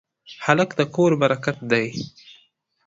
هلک د کور برکت دی.